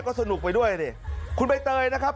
ก็สนุกไปด้วยดิคุณใบเตยนะครับ